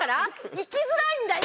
行きづらいんだよ！